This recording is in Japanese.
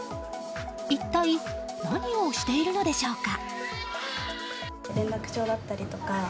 一体、何をしているのでしょうか。